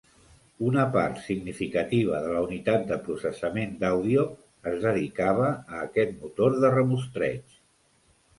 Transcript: Una part significativa de la unitat de processament d'àudio es dedicava a aquest motor de remostreig.